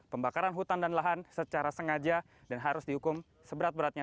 pembakaran hutan dan lahan secara sengaja dan harus dihukum seberat beratnya